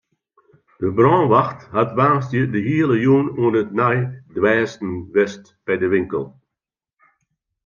De brânwacht hat woansdei de hiele jûn oan it neidwêsten west by de winkel.